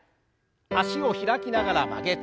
脚を開きながら曲げて。